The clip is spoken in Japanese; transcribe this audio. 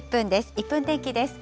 １分天気です。